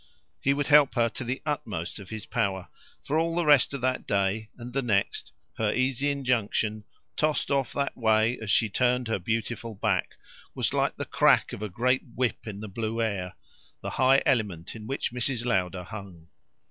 He would help her to the utmost of his power; for, all the rest of this day and the next, her easy injunction, tossed off that way as she turned her beautiful back, was like the crack of a great whip in the blue air, the high element in which Mrs. Lowder hung.